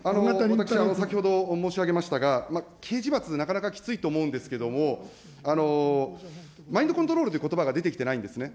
私、先ほど申し上げましたが、刑事罰、なかなかきついと思うんですけれども、マインドコントロールということばが出てきてないんですね。